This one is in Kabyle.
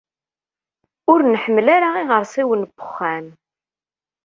Ur nḥemmel ara iɣersiwen n wexxam.